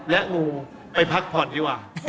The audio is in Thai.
และงูไปพักผ่อนดีกว่า